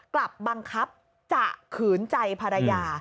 กลับบังคับจะขืนใจภรรยา